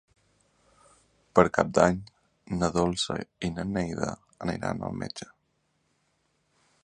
Per Cap d'Any na Dolça i na Neida aniran al metge.